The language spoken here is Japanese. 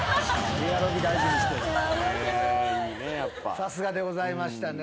さすがでございましたね。